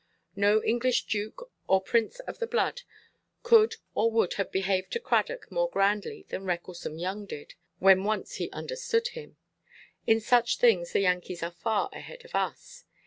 No English duke or prince of the blood could or would have behaved to Cradock more grandly than Recklesome Young did, when once he understood him. In such things the Yankees are far ahead of us.